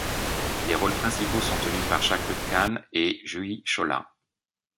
Les rôles principaux sont tenus par Shahrukh Khan et Juhi Chawla.